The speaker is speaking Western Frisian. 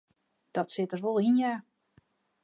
Dat sit der wol yn ja.